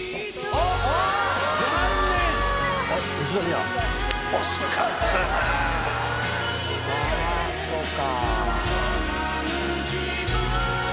「ああそうか」